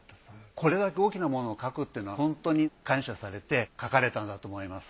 これだけ大きなものを書くっていうのはホントに感謝されて書かれたんだと思います。